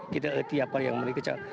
kita ngerti apa yang mereka cakap